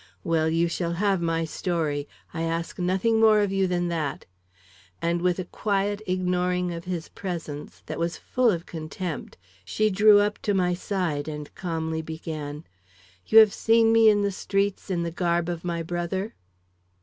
Well, you shall have my story. I ask nothing more of you than that." And with a quiet ignoring of his presence that was full of contempt, she drew up to my side and calmly began: "You have seen me in the streets in the garb of my brother?"